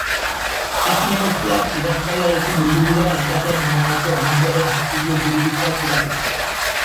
Bi zinegotziak idazkariarekin bildu dira alkateak emandako aginduaren argudio juridikoak irakurtzeko.